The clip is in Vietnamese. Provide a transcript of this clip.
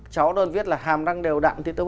cháu nó viết là hàm răng đều đặn